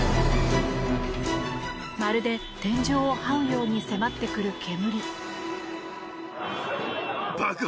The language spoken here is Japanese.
まるで天井をはうように迫ってくる煙。